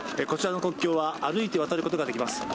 こちらの国境は、歩いて渡ることができます。